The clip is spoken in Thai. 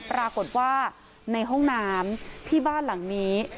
ปรากฏว่าในห้องน้ำที่บ้านหลังนี้